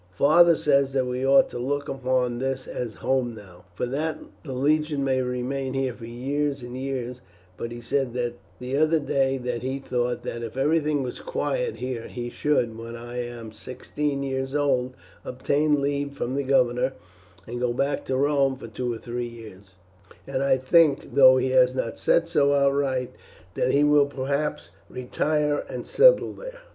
Father says that we ought to look upon this as home now, for that the legion may remain here for years and years; but he said the other day that he thought that if everything was quiet here he should, when I am sixteen years old, obtain leave from the governor, and go back to Rome for two or three years, and I think, though he has not said so outright, that he will perhaps retire and settle there."